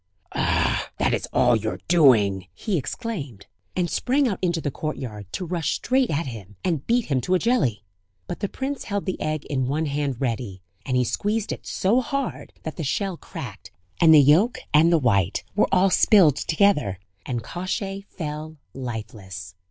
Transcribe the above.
"Ah! that is all your doing!" he exclaimed; and sprang out into the courtyard, to rush straight at him, and beat him to a jelly! But the prince held the egg in one hand ready; and he squeezed it so hard, that the shell cracked and the yolk and the white were all spilled together ... and Kosciey fell lifeless!